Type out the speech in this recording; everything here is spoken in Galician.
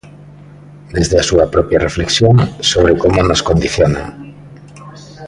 Desde a súa propia reflexión sobre como nos condicionan.